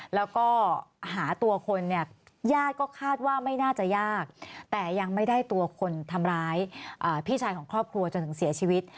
แล้วก็หาตัวคนเนี่ยญาติก็คาดว่าไม่น่าจะยากแต่ยังไม่ได้ตัวคนทำร้ายพี่ชายของครอบครัวจนถึงเสียชีวิต